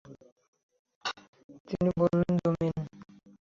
তিনি বললেন, যমীন।